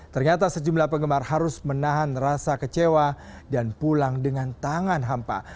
ternyata sejumlah penggemar harus menahan rasa kecewa dan pulang dengan tangan hampa